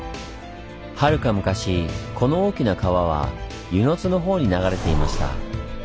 はるか昔この大きな川は温泉津のほうに流れていました。